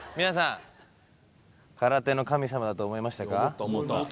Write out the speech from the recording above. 皆さん、空手の神様だと思いましたか？